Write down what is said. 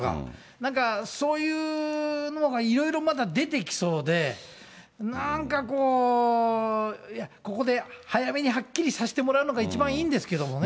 なんかそういうのがいろいろまだ出てきそうで、なんかこう、いや、ここで早めにはっきりさせてもらうのが、一番いいんですけどもね。